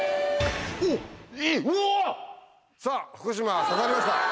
さぁ福島刺さりました。